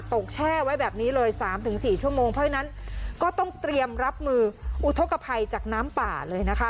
แช่ไว้แบบนี้เลย๓๔ชั่วโมงเพราะฉะนั้นก็ต้องเตรียมรับมืออุทธกภัยจากน้ำป่าเลยนะคะ